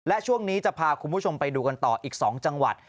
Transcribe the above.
และช่วงนี้จะพาคุณผู้ชมไปดูกันต่ออีก๒จังหวัด